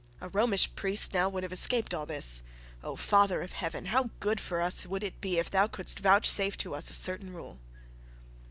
A Romish priest now would have escaped all this. Of, Father of heaven! How good for us would it be, if thou couldest vouchsafe to us a certain rule.'